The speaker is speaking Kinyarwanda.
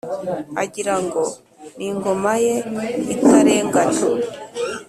agira ngo n'ingoma ye itarengana.